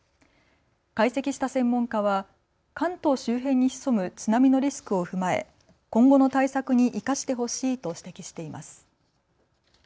解析した専門家は関東周辺に潜む津波のリスクを踏まえ今後の対策に生かしてほしいと指摘しています。